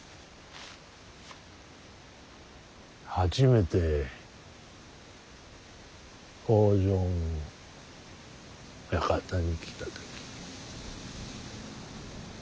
初めて北条の館に来た時。